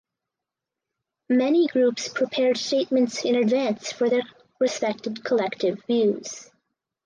Many groups prepared statements in advance for their respected collective views.